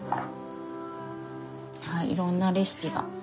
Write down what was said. はいいろんなレシピが。